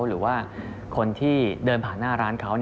หรือว่าคนที่เดินผ่านหน้าร้านเขา